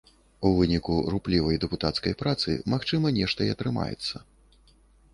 У выніку руплівай дэпутацкай працы магчыма, нешта і атрымаецца.